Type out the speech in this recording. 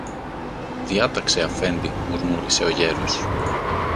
Διάταξε, Αφέντη, μουρμούρισε ο γέρος.